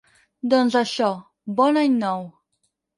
Doncs això, bon any nou.